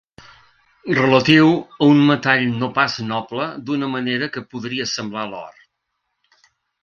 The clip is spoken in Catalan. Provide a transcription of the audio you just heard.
Relatiu a un metall no pas noble d'una manera que podria semblar l'or.